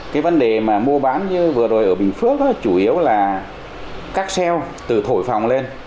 cái vấn đề mà mua bán như vừa rồi ở bình phước chủ yếu là các xe từ thổi phòng lên